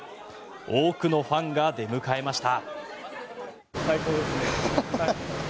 多くのファンが出迎えました。